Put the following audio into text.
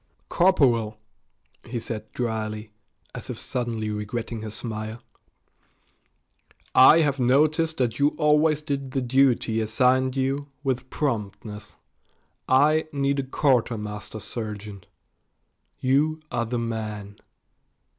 "Corporal," he said dryly, as if suddenly regretting his smile, "I have noticed that you always did the duty assigned you with promptness. I need a quartermaster sergeant. You are the man."